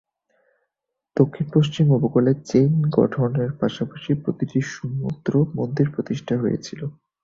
দক্ষিণ-পশ্চিম উপকূলে চেইন গঠনের পাশে প্রতিটি সমুদ্র মন্দির প্রতিষ্ঠিত হয়েছিল।